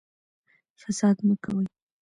فساد مه کوئ